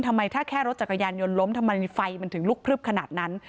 ทำไมถ้าแค่รถจักรยานยนต์ล้มทำไมไฟมันถึงลุกพลึบขนาดนั้น